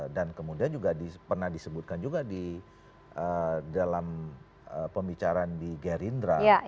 dan kemudian juga pernah disebutkan juga di dalam pembicaraan di gerindra